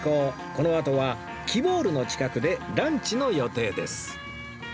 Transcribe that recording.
このあとはきぼーるの近くでランチの予定です